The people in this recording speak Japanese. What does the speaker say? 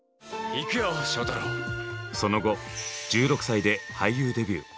その後１６歳で俳優デビュー。